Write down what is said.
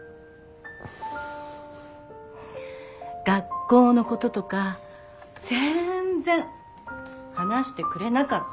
学校のこととかぜーんぜん話してくれなかった。